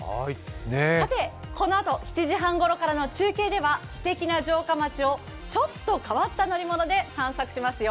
さて、このあと７時半ごろからの中継ではすてきな城下町をちょっと変わった乗り物で散策しますよ。